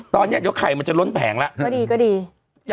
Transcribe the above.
ตอนนี้ยกไข่มันจะล้นแผงแล้ว